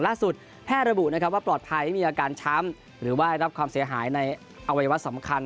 ส่วนล่าสุดแพร่ระบุว่าปลอดภัยไม่มีอาการช้ำหรือว่ารับความเสียหายในอวัยวะสำคัญ